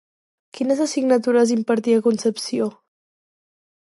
Quines assignatures impartia Concepció?